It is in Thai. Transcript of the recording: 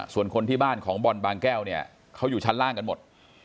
ส่วนคนที่บ้านของบอลบางแก้วเนี่ยเขาอยู่ชั้นล่างกันหมด